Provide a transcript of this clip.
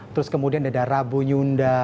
terus kemudian ada rabu nyunda